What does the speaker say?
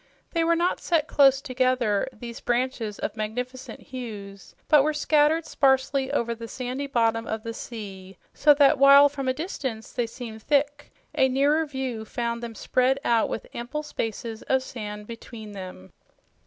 They were not set close together, these branches of magnificent hues, but were scattered sparsely over the sandy bottom of the sea so that while from a distance they seemed thick, a nearer view found them spread out with ample spaces of sand between them.